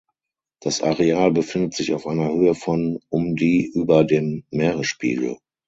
Das Areal befindet sich auf einer Höhe von um die über dem Meeresspiegel.